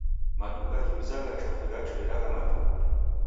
Maduka ghiuzagha chofi ghachuye agha matuku.